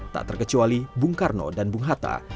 tak terkecuali bung karno dan bung hatta